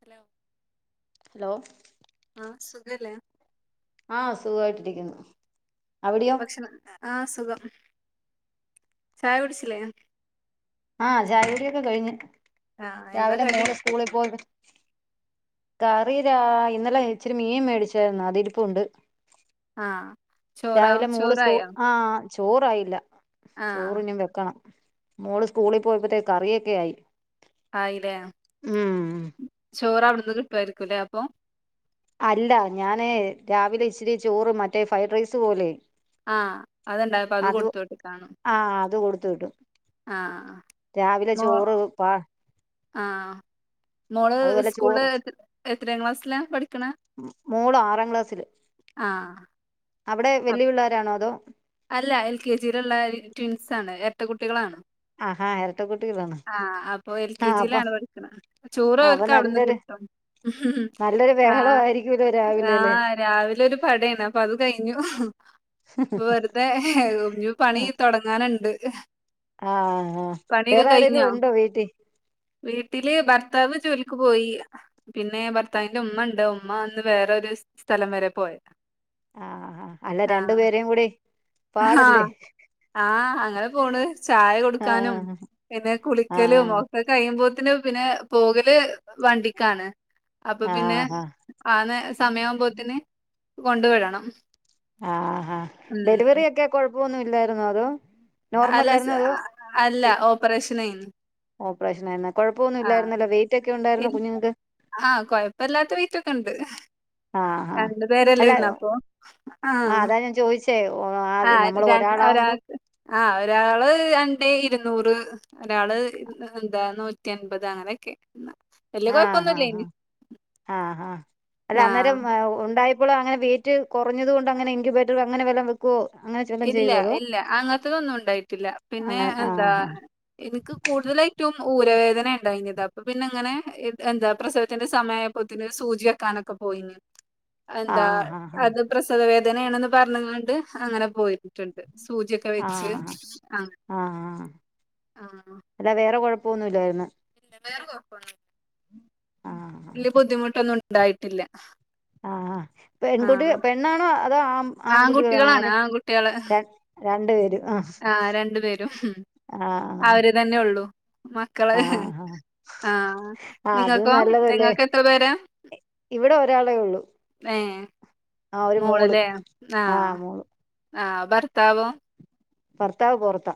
Hello hello ആഹ് സുഖല്ലേ ആഹ് സുഖായിട്ടിരിക്കുന്നു ഭക്ഷണം ആഹ് സുഖം ചായ കുടിച്ചിലേ ആഹ് ചായുടിയൊക്കെ കഴിഞ്ഞ് ആഹ് എന്താ രാവിലെ കടി മോള് സ്കൂളി പോയ് കറീ രാ ഇന്നലെ ഇച്ചിരി മീൻ മേടിച്ചായിരുന്നു അതിരിപ്പുണ്ട് ആഹ് ചോറാ രാവിലെ മോള് സ്കൂൾ ചോറായോ ആഹ് ചോറായില്ല ചോറ് ആഹ് ഇഞ്ഞും വെക്കണം മോള് സ്കൂളി പോയപ്പത്തേക്ക് കറിയൊക്കെ ആയി ആയിലേ ഉം ചോറ് അവിട്ന്ന് കിട്ടായിരിക്കുലേ അപ്പം അല്ല ഞാന് രാവിലെ ഇച്ചിരി ചോറും മറ്റേ ഫ്രൈഡ്റൈസ് പോലെ ആഹ് അത്ണ്ടായപ്പം അത് കൊടുത്ത് വിട്ട്ക്കാണും ആഹ് അത് കൊടുത്ത് വിട്ടു രാവിലെ മോ ചോറ് പ ആഹ് മോള് അതുപോലെ സ്കൂളില് ചോറ് എത്ര എത്രാം ക്ലാസ്സിലാ പഠിക്ക്ണ മോള് ആറാം ക്ലാസ്സില് ആഹ് അവിടെ വല്ല്യ പിള്ളാരാണോ അതോ അല്ല എൽ കെ ജിയില്ള്ള ട്വിൻസാണ് ഇരട്ട കുട്ടികളാണ് ആഹാ ഇരട്ടക്കുട്ടികളാണ് ആഹ് അപ്പം ആഹ് അപ്പൊ എൽകെജിലാണ് പഠിക്ക്ണെ ചോറ് അപ്പൊ ഓല്ക്ക് അവിട്ന്ന് കി നല്ലൊരു ട്ടും നല്ലൊരു ആഹ് ബഹളമായിരിക്കൂല്ലോ രാവിലെല്ലേ ആഹ് രാവിലെ ഒരു പടേണ് അപ്പതു കഴിഞ്ഞു [unintelligible] അതെ ഇഞ്ഞ് പണി ആഹ് തൊടങ്ങാനുണ്ട് ആഹ് പണിയൊക്കെ വേറെ ആരെലും കഴിഞ്ഞോ ഉണ്ടോ വീട്ടി വീട്ടില് ഭർത്താവ് ജോലിക്ക് പോയീ പിന്നെ ഭർത്താവിന്റെ ഉമ്മണ്ട് ഉമ്മ ഇന്ന് വേറൊരു സ്ഥലം വരെ പോയതാ ആഹ് അല്ല രണ്ടുപേരേം കൂടി പാടല്ലേ ആഹ് ആഹ് അങ്ങനെ പോണ് ചായ കൊടുക്കാനും ആഹ് പിന്നെ കുളിക്കലും ഒ ആഹ് ക്കെ കഴിയുമ്പോത്തിന് പിന്നെ പോകല് വണ്ടിക്കാണ് അപ്പ പിന്നെ ആഹ് ആന്നേ സമയവുമ്പോത്തിന് കൊണ്ട് വിടണം ആഹ് ഹാ ഉം ഡെലിവറി ഒക്കെ കൊഴപ്പൊന്നും ഇല്ലായിരുന്നോ അതോ നോർമൽ അല്ല സ് ആയിരുന്നോ അതോ അല്ല ഓപ്പറേഷനേന്നു ഓപ്പറേഷനായിരുന്നോ കൊഴപ്പൊന്നും ഇല്ലായിരുന്നല്ലോ വെയിറ്റൊക്കെ ഉണ്ടായിരുന്നോ ആഹ് കുഞ്ഞുങ്ങക്ക് ആഹ് കൊഴപ്പല്ലാത്ത വയ്റ്റൊക്കെണ്ട് ആഹ് ആഹ് രണ്ടു അല്ല പേരല്ലേന്നൊ അപ്പൊ ആഹ് അതാ ഞാൻ ചോദിച്ചേ ആഹ് നമ്മള് രൺ ഒരാളാവുമ്പോ ഒരാക്ക് ആഹ് ഒരാള് രണ്ടേഇരുന്നൂറ് ഒരാള് ഇ എന്താ നൂറ്റി അൻപത് അങ്ങനെയൊക്കെ വല്ല്യ ആഹ് ആഹ് കൊഴപ്പൊന്നുല്ലേനി ആഹ് ആഹ് ആഹ് അല്ല ആഹ് അന്നേരം ഉണ്ടായ പ്പളും അങ്ങനെ വെയിറ്റ് കൊറഞ്ഞത് കൊണ്ട് അങ്ങനെ ഇൻകുബേറ്റർ അങ്ങനെ വെല്ലോം വെ ക്കും അങ്ങനെ ചെ ഇല്ല ഇല്ല അങ്ങൻത്തതൊന്നും ഉണ്ടായിട്ടില്ല പിന്നെ അങ്ങനെ എന്താ ആഹ് ഇൻക്ക് കൂടുതലായിറ്റും ഊരവേദനേണ്ടായിനത് അപ്പൊ പിന്നെ ഇങ്ങനെ എന്താ പ്രസവത്തിന്റെ സമയായ പ്പോത്തിന് സൂജി വെക്കാനൊക്കെ പോയിനി എന്താ ആഹ് ആഹ് അത് പ്രസവ വേദനാണെന്ന് പറഞ്ഞ്ക്കാണ്ട് അങ്ങനെ പോയിട്ട് ണ്ട് സൂജിയൊക്കെ വെച്ച് ആഹ് ആഹ് ആഹ് ആഹ് ആഹ് അല്ല വേറെ കുഴപ്പോന്നും ഇല്ലായിരുന്നു വേറെ കൊയ ആഹ് വല്ല്യ ബുദ്ധിമുട്ടൊന്നും ഇണ്ടായിട്ടില്ല ആഹ് ആഹ് പെൺകുട്ടി പെണ്ണാണോ അതോ ആഹ് ആൺകുട്ടികളാണോ ആൺകുട്ടികളാണ് ആരാ ആൺകുട്ടികള് രണ്ട് പേരും ആഹ് ആഹ് രണ്ടു പേരും ആഹ് അവര് തന്നെ ഒള്ളു മക്കള് ആഹ് ആഹ് ആഹ് അത് നിങ്ങക്കോ നിങ്ങക്ക് എത്ര പേരാ ഇവടെ ഒരാളേ ഒള്ളൂ ഏഹ് മോള് ലേ ആഹ് ആഹ് ഭർത്താവോ ഭർത്താവ് പൊർത്താ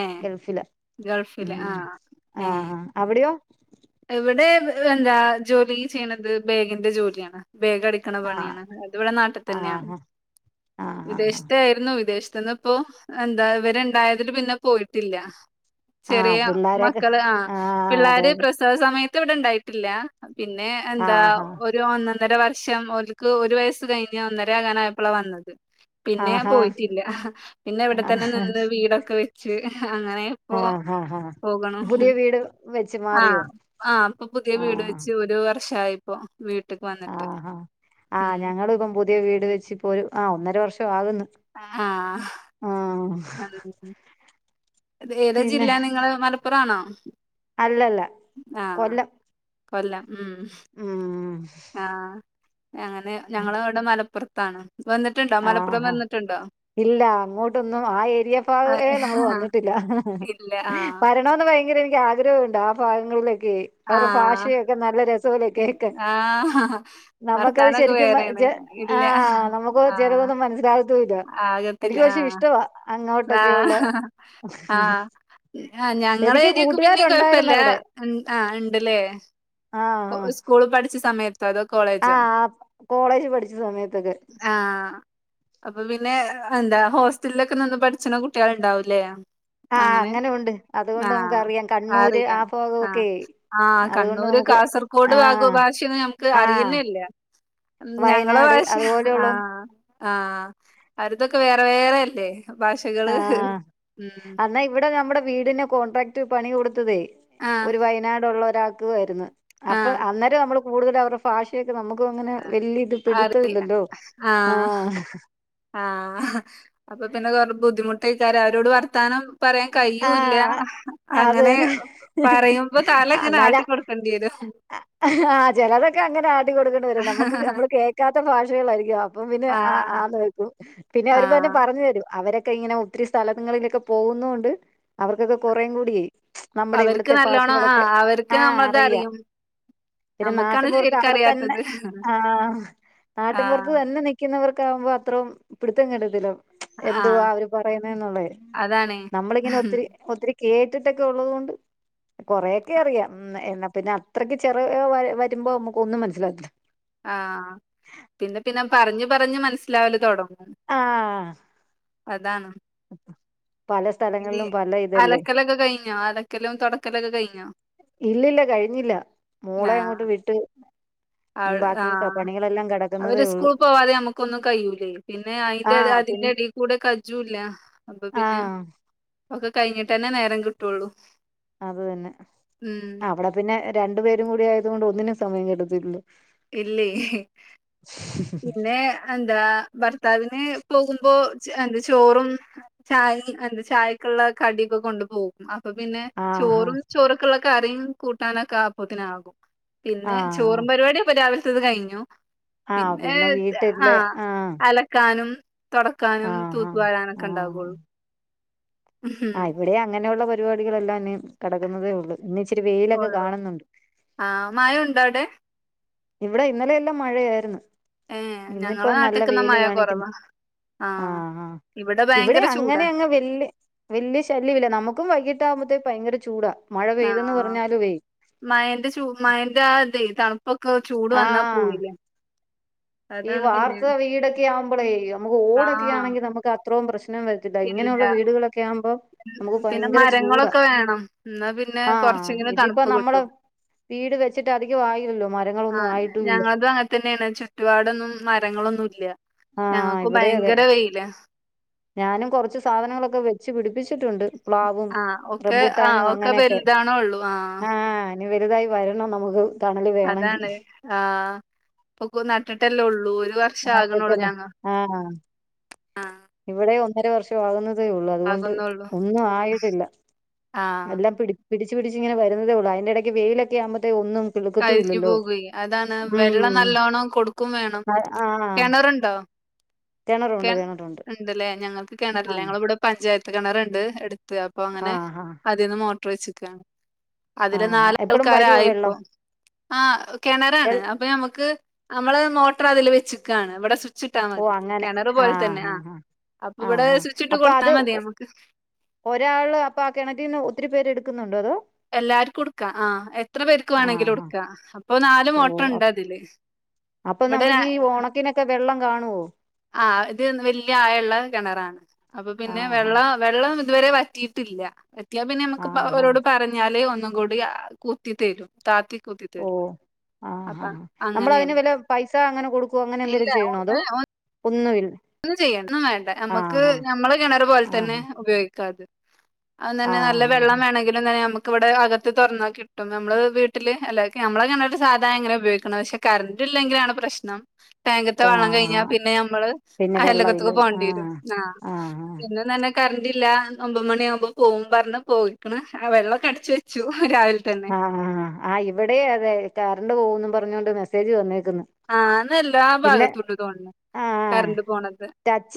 ഏഹ് ഗൾഫിലാ ഗൾഫില് മ് ആഹ് ഏഹ് ആഹ് അവിടയോ ഇവിടെ എന്താ ജോലി ചെയ്യ്ണത് ബേഗിന്റെ ജോലിയാണ് ബേഗ് അടി ക്ണ ആഹ് പണിയാണ് അത് ഇവടെ നാട്ടിതന്നെയാണ് ആഹ് ആഹ് ആഹ് വിദേശത്തായിരുന്നു വിദേശത്തന്ന് ഇപ്പൊ എന്താ ഇവര് ഇണ്ടായതില് പിന്നെ പോയിട്ടില്ല ആഹ് ആഹ് ചെറിയ പിള്ളോരൊക്കെ മക്കള് ആഹാ ആഹ് അതെ പിള്ളാര് അതെ [unintelligible] സമയത്ത് ഇവടെ ഇണ്ടായിട്ടില്ല പിന്നെ എന്താ ആഹ് ആഹ് ഒരു ഒന്നൊന്നര വർഷം ക്ക് ഒരു വയസ്സ് കഴിഞ്ഞ് ഒന്നര ആകാനയപ്പളാ വന്നത് പിന്നെ ആഹാ പോയിട്റ്റില്ല പിന്നെ എവടെത്തന്നെ ആഹ് നിന്ന് വീടൊക്കെ വെച്ച് അങ്ങനെ ഓ ആഹ് ആഹ് ആഹ് പോകണം പുതിയ വീട് വെച്ച ആഹ് ആഹ് ഇപ്പൊ പുതിയ വീട് വെച്ച് ഒരു വർഷയിപ്പോ വീട്ട്ക്ക് വന്ന് ആഹാ ആഹ് ഞങ്ങൾ ഇപ്പം പുതിയ വീട് വെച്ച് ഇപ്പൊ ഒരു ആ ഒന്നര വർഷം ആകുന്നു ആഹ് ആഹ് ഉം ഏതാ പിന്നെ ജില്ല നിങ്ങള് മല പ്പറാണോ അല്ലല്ല ആഹ് കൊല്ലം കൊല്ലം ഉം ഉം ആഹ് അങ്ങനെ ഞങ്ങള് ഇവിടെ മലപ്പുറത്താണ് വന്ന് ട്ട്ണ്ടൊ ആഹ് മലപ്പുറം ആഹ് വന്നിട്ടുണ്ടോ ഇല്ല അങ്ങോട്ടൊന്നും ആ ഏരിയ ആ, ഭാഗേ നമ്മള് വന്നിട്ടില്ല ഇല്ല ആഹ് വര കാണണോന്ന് ഭയങ്കര എനിക്ക് ആഗ്രഹമുണ്ട് ആഹ് ഭാങ്ങളിലൊക്കെ അവരുടെ ആഹ് ഭാഷയൊക്കെ നല്ല രസഅല്ലെ കേ ക്ക്‌ ആഹ് നമുക്കത് വർത്താനൊക്കെ ശരിക്കും വേറേണ്. ഇല്ല ആഹ നമുക്ക് മനസിലാകത്തു ല്ല ആകത്തുല്ല ആഹ് അങ്ങോട്ടൊക്കെയുള്ള ആഹ ആഹ് ആഹ് ഞങ്ങള എനിക്ക് ഏരിയൊക്കെ പിന്നിം കൊഴപ്പല്ല കൂട്ടുകാരുണ്ടായിരുന്നു അവിടെ ആ ഉണ്ട് ല്ലേ സ്കൂൾ പഠിച്ച സമയത്തൊ അതോ കോളേജ് ആ കോളേജ് പഠിച്ച സമയത്തൊക്കെ ആഹ് അപ്പൊ പിന്നെ എന്താ ഹോസ്റ്റലിലൊക്കെ നിന്ന് പഠിച്ച്ണ കുട്ടികൾ ഉണ്ടാവൂലേ ആഹ് അങ്ങനെ ഉണ്ട് അതുകൊണ്ട് ആഹ് നമുക്കറിയാം കണ്ണൂര് അറിയാ ആ ആഹ് ഭാഗമൊക്കെ ആഹ് അതുകൊണ്ട് കണ്ണൂര് നമുക്ക് കാസ കാസർകോട് ഭാഗോ ആഹ് ഭാഷ ഒന്നും നമുക്ക് ആഹ് അറിയുന്നേല്ല ഞങ്ങള വയനാട് ഭാഷ ആ അതുപോലെയുള്ള ആ ആഹ് അവരുതൊക്കെ വേറെ വേറെയല്ലേ ഭാഷക ആഹ് എന്നാ ഇവിടെ നമ്മുടെ വീടിനു കോൺട്രാക്ട് പണി കൊടുത്തതെ ആഹ് ഒരു വയനാട് ഉള്ള ഒരാക്ക് ആയിരുന്നു അപ്പൊ ആഹ് അന്നേ രം നമ്മൾ കൂടുതല് അവരുടെ ഫോ ഭാഷയൊക്കെ നമുക്ക് അങ്ങനെ വലിയ ഇത് പിടുത്തമില്ലല്ലോ ആഹ് ആഹ് അപ്പൊ പിന്നെ കൊറെ ബുദ്ധിമുട്ടെയ്ക്കാരം അവരോട് വർത്താനം പറയാൻ കയുല്ല ആഹ് അത് അങ്ങനെ തന്നെ പറയുമ്പോ തലങ്ങനെ ആട്ടിക്കൊടുക്കേണ്ടി വരും ആഹ് ചെലതൊക്കെ അങ്ങനെ ആട്ടി കൊടുക്കേണ്ടി വരും നമുക്ക് നമ്മള് കേക്കാത്ത ഭാഷകളായിരിക്കും അപ്പ പിന്നെ ആഹ് ആന്ന് വെയിക്കും പിന്നെ അവരു തന്നെ ആഹ് പറഞ്ഞു തരും അവരൊക്കെ ഇങ്ങനെ ഒത്തിരി സ്ഥലങ്ങളിലൊക്കെ പോകുന്ന കൊണ്ട് അവർക്കൊക്കെ കുറേ കൂടി ടി നമ്മുടെ അവർക്ക് ഇവിടത്തെ നല്ലോണം ഭാഷകളൊക്കെ ആഹ് അവർക്ക് ആഹ് നമ്മളത് അറിയാം അറിയും പിന്നെ നമുക്കാണ് നാട്ടിപുറത്ത് അവിടെത്തന്നെ ശരിക്കറിയാത്തത് ആ നാട്ടിപുറത്ത് ആഹ് തന്നെ നി ക്കുന്നവർക്ക്‌ ആവുമ്പോൾ അത്രോം പിടുത്തം കിട്ടത്തില്ല എന്തുവാ ആഹ് അവര് പറയുന്ന എന്നുള്ളെ അതാണ് നമ്മളിങ്ങനെ ഉം ഒത്തിരി ഒത്തിരി കേ ട്ടിട്ടൊക്കെ ഉള്ളതുകൊണ്ട് കൊറേക്കെ അറിയാം എന്നാ പിന്നെ അത്രയ്ക്ക് ചെറിയ വരുമ്പൊ നമ്മുക്ക് ഒന്നും മനസ്സിലാവത്തില്ല ആഹ് പിന്നെ പിന്നെ പറഞ്ഞു പറഞ്ഞ് മനസ്സിലാവല്തൊടങ്ങും ആഹ് അതാണ് പല സ്ഥലങ്ങളിലും പല ഇതല്ലേ ലൊക്കെ കഴി ഞ്ഞാ അലക്കലും തൊ ടക്കലൊക്കെ കഴിഞ്ഞൊ ഇല്ലില്ല കഴിഞ്ഞില്ല മോളെ ആഹ് അങ്ങോട്ട് വിട്ട് ഇനി ബാക്കി ആഹ് പണികളെല്ലാം കെടക്കുന്നതേ അവര് ഉള്ളൂ സ്കൂൾ പോവാതെ നമുക്കൊന്നും കഴിയൂലേ പിന്നെ അയിന്റെ ആഹ് പിൻ അതിന്റെടെ കൂടെ കജ്ജും ഇല്ല അപ്പൊ പിന്നെ ആഹ് ഒക്കെ കഴിഞ്ഞിട്ട്ന്നെ നേരം കിട്ടൊള്ളൂ അത് തന്നെ അവിടെ പിന്നെ രണ്ടു പേരും കൂടി ആയതു കൊണ്ട് ഒന്നിനും സമയം കിട്ടത്തില്ല ല്ലോ ഇല്ലേ പിന്നെ എന്താ ഭർത്താവിന് പോകുമ്പൊ എന്താ ചോറും ചായ എന്താ ചായക്കുള്ള കടിക്കെ കൊണ്ടു പോകും അപ്പൊ പിന്നെ ആഹ് ചോറും ആഹ് ചോറൊക്കെള്ള കറിയും കൂട്ടാനൊക്കെ അപ്പോത്തിനാകും പിന്നെ ആഹ് ചോറും പരിപാടിയപ്പൊ രാവിലത്തേത് കഴിഞ്ഞു ആഹ് പിന്നെ ആ വീട്ടില് ആഹ് അലക്കാനും തൊടക്കാനും ആഹ് തൂത്തു ആഹ് വാരാനൊക്കെ ഉണ്ടാവുള്ളു ആ ഇവിടേം അങ്ങനെള്ള പരിപാടികളെല്ലാം ഇനി കിടക്കുന്നതേ ഉള്ളൂ ഇന്ന് ഇച്ചിരി വെയിലൊക്കെ കാണുന്നുണ്ട് ആ മഴഉണ്ടോ അവിടെ ഇവിടെ ഇന്നലെല്ലാം മഴയാര്ന്ന് ഏഹ് ഇന്നിപ്പൊ ഞങ്ങളെ നല്ല നാട്ടിക്ക്ന്നാ വെയില് മഴ കാണിക്കുന്ന് കൊറവാ ആ ആഹ് ആ ഇവിടെ ഭയങ്കര ചൂടാ അങ്ങനെ അങ്ങ് വെല്യ വെല്യ ശല്യമില്ല നമുക്കും വൈകിട്ടാകുമ്പോത്തേക്കും ഭയങ്കര ചൂടാ മഴ പെയ്തെന്ന് ആഹ് പറഞ്ഞാലുവേ മഴെന്റെ ചൂട് മഴെന്റെ ആ ഇതേ തണു പ്പൊക്കെ ചൂട് വന്നാ ആഹ് പോയില്ലേ ഈ അതാണ് പിന്നെ വാർത്ത വീടൊക്കെയാവുമ്പൊ ളേ നമുക്ക് ഓടൊക്കെ ആഹ് ആണെങ്കി നമുക്ക് അത്രോം പ്രശ്നം വര ത്തില്ല ഇല്ല ഇങ്ങനെയുള്ള വീടുകളൊക്കെ ആകുമ്പോ നമുക്ക് പിന്നെ ഭയങ്കര ചൂടാ മരങ്ങളൊക്കെ വേണം എന്നാ പിന്നെ ആ കൊറച്ചെങ്കിലും ഇതിപ്പോ തണുപ്പ് നമ്മള് കിട്ടും വീട് വെച്ചിട്ട് അധികം ആയില്ലല്ലോ മാറ്റ ആ ഞങ്ങളതും അ- ങ്ങനെ തന്നെയാണ് ചുറ്റുപാടൊന്നും മരങ്ങളൊന്നുല്ല ആഹ് ഞങ്ങക്കും ഇവിടെ അതെ ഭയങ്കര വെയിലാ ഞാനും കൊറച്ച് സാധനങ്ങളൊക്കെ വെ ച്ച് പിടിപ്പിച്ചിട്ടുണ്ട് പ്ലാവും ആഹ് ഒക്കെ ആഹ് റംബൂട്ടാനും ഒക്കെ അങ്ങനെയൊക്കെ വലുതാണൊള്ളൂ ആഹ് ആ ഇനി വലുതായി വരണം നമുക്ക് തണല് വേണെങ്കി അതാണ് ആ പക്ക് നട്ടിട്ടല്ലേ ഉള്ളൂ ഒരു വർഷം ആകണൊള്ളൂ നട്ടുവെച്ചെല്ലേ ഞങ്ങ ആഹ് ആ ഇവിടേം ഒന്നര വർഷം ആകുന്നതേ ഉള്ളൂ അതുകൊണ്ട് ആകുന്നൊള്ളൂ. ഒന്നും ആയിട്ടില്ല ആഹ് എല്ലാം പിടി പിടിച്ച് പിടിച്ച് ഇങ്ങനെ വരുന്നതേ ള്ളൂ അയിന്റെടയ്ക്ക് വെയിലൊക്കെ ആകുമ്പത്തേക്കും ഒന്നും കഴിഞ്ഞു തിളിർക്കത്തൂല്ലല്ലോ പോകുവേ അതാണ് വെള്ളം മ്മ് നല്ലോണം കൊടുക്കും വേണം. ആ കെണറുണ്ടോ? കെണറൊണ്ട് കെണറൊണ്ട് ണ്ട്ല്ലേ ഞങ്ങക്ക് കെണറില്ല ഞങ്ങളി വിടെ പഞ്ചായത്ത് കിണറ്ണ്ട് അടുത്ത് അപ്പ അങ്ങനെ ആഹ് ആഹ് അ തിന്ന് മോട്ടർ വച്ചക്കാണ് അതില് ആഹ് എപ്പഴും വരുവോ നാലാൾക്കാരായി ഇപ്പൊ വെള്ളം ആ കിണറാണ് വെൾ അപ്പൊ നമുക്ക് നമ്മള് മോട്ടറ് അതില് വെച്ച്ക്കാണ് ഇവിടെ സ്വി ച്ചിട്ടാ ഓ മതി അങ്ങനെ കിണറ് പോലെത്തന്നെ ആഹ് ആ ആഹ് ആഹ് അപ്പൊ ഇവിടെ ആഹ് ആഹ് സ്വിച്ചിട്ട് അപ്പൊ കൊടുത്താ അത് മതി നമ്മക്ക് ഒരാള് അപ്പൊ ആഹ് കെണറ്റിന്ന് ഒത്തിരി പേര് എടുക്കുന്നുണ്ടോ അതോ എല്ലാർക്കും എടുക്കാ, ആഹ് എത്ര പേർക്ക് ആഹ് വേണെങ്കിലും ആഹ് എടുക്കാ, അപ്പൊ നാല് ഓ മോട്ടറിണ്ട് അപ്- അതില്. അപ്പൊ ഇവിടെ നമുക്കീ ഒണക്കിനൊക്കെ വെള്ളം കാണോ? ആഹ് ഇത് വല്യ ആഴിള്ള കിണറാണ് അപ്പൊ പിന്നെ ആഹ് വെള്ളം വെള്ളം ഇതുവരെ വറ്റിയിട്ടില്ല വറ്റിയാ പിന്നെ നമുക്ക് ആഹ് ആഹ് ആഹ് ഓരോട് പറഞ്ഞാല് ഒന്നും കൂടി കുത്തി തെരും താത്തി കുത്തി തെരും. ആഹാ നമ്മളതിന് വെല്ല പൈസ അങ്ങനെ കൊടുക്കോ, അങ്ങനെ ഇല്ല എന്തെലും ചെയ്യണോ അതോ ഒന്നുവില്ല ഒന്നും ചെയ്യണ്ടാ ഒന്നും വേണ്ട നമുക്ക് ഞമ്മളെ കിണറ് പോലെ തന്നെ ആഹ് ഉപയോഗിക്കാത് അതും ആഹ് തന്നെ നല്ല ആഹ് വെള്ളം ആഹ് വേണെങ്കിലും തന്നെ നമുക്കിവിടെ അകത്ത് തൊറന്നാ കി കിട്ടും, നമ്മള് വീട്ടില് അല്ല നമ്മളെ കെണറില് സാധാ എങ്ങനെ ഉപയോഗിക്കണ പക്ഷെ കറന്റ് ഇല്ലെങ്കിലാണ് പ്രശ്നം. ടാങ്കിത്തെ ഓ വെള്ളം കയിഞ്ഞാ ആഹ് പിന്നെ, ഞമ്മള് പിന്നെ വെള്ളമില്ല അയലൊക്കത്തക്ക് പോണ്ടി വെരും ആഹ് [unintelligible] പിന്നെ തന്നെ കറണ്ടില്ല, ഒമ്പത് മണി ആവുമ്പോ പോവുമ്പറഞ്ഞ് പോയിക്ക്ണ് ആഹ് വെള്ളൊക്കെ അടിച്ച് വെച്ചു രാവിലെത്ത ആഹ് ഇവിടേം അതെ കറണ്ട് പോവുന്ന് പറഞ്ഞൊണ്ട് മെസ്സേജ് വന്നേക്കന്ന്. ആഹ് അതെല്ലാ ഭാഗത്തുണ്ട്‌ തോന്ന്ണ്. ആഹ് കറണ്ട് പോണത്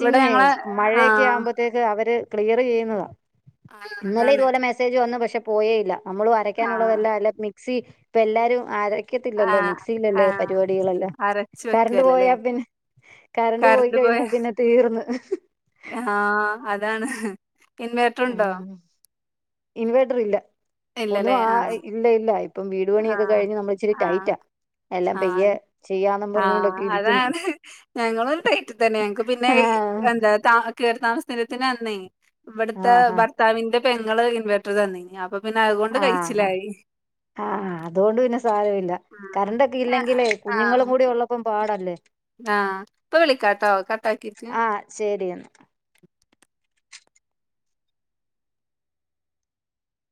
ഇവടെ ഞങ്ങള് മഴയൊക്കെ ആഹ് [unintelligible] അവര് ക്ലിയറ് ചെയ്യുന്നതാ, ആഹ് ഇന്നലെ അതാണ് ഇതുപോലെ മെസ്സേജ് വന്ന് പക്ഷെ പോയേ ഇല്ല നമ്മള് അര ആഹ് അരക്കാനുള്ളതല്ലാ എല്ലാ മിക്സി ഇപ്പ എല്ലാരും അരയ് ത്തില്ലല്ലോ ആഹ് മിക്സിയിലല്ലേ ആഹ് പരിപാടികളെല്ലാം, അരച്ച് കറണ്ട് വെക്കല്ലല്ലേ പോയാ പിന്നെ കറണ്ട് പോയി കഴിഞ്ഞാ പിന്നെ തീർന്ന് ആഹ് അതാണ് ഇൻവേട്ട്റുണ്ടോ? ഇൻവേട്ടർ ഇല്ല ഒന്നു ഇല്ലല്ലേ? വാ ആ. ഇല്ല ഇല്ല ഇപ്പം വീട് ആ. പണിയൊക്കെ കഴിഞ്ഞ് നമ്മള് ഇച്ചിരി ആ. ടൈറ്റാ എല്ലാം ആ. പയ്യെ ചെയ്യാന്ന് ആ. പറഞ്ഞു കൊണ്ടൊക്കെ ഇരിക്കുന്ന്. അതാണ്. ഞങ്ങളും ടൈറ്റിൽ തന്നെ ഞങ്ങക്ക് പിന്നെ എന്താ [unintelligible] കേറിതാമസരത്തിനന്നേ ഇവിടത്തെ ആഹാ ഭർത്താവിന്റെ പെങ്ങള് ഇൻവേർട്ടറ് തന്നേനി അപ്പൊ പിന്നെ അതുകൊണ്ട് ആഹാ കഴിച്ചിലായി ആഹ് അതുകൊണ്ട് പിന്നെ സാരം ഇല്ല ഉം. കറണ്ട് ഒക്കെ ആ. ഇല്ലെങ്കിലേ കുഞ്ഞുങ്ങളൂടി ഉള്ളപ്പം പാടല്ലേ? ആഹ് ഇപ്പൊ വിളിക്കാട്ടോ കട്ടാക്കീട്ട്. ആഹ് ശരി എന്നാ